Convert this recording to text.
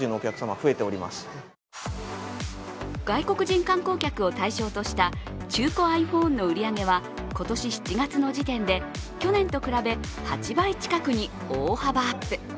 外国人観光客を対象とした中古ｉＰｈｏｎｅの売り上げは今年７月の時点で去年と比べ８倍近くに大幅アップ。